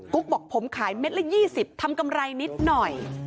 ุ๊กบอกผมขายเม็ดละ๒๐ทำกำไรนิดหน่อย